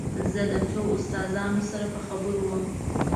زه له څو استادانو سره په خبرو وم.